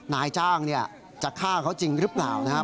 นายจ้างจะฆ่าเขาจริงหรือเปล่านะครับ